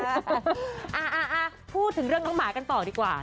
อ่าพูดถึงเรื่องน้องหมากันต่อดีกว่า